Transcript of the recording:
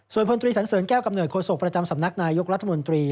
สันเสริญแก้วกำเนิดโคศกประจำสำนักนายยกรัฐมนตรี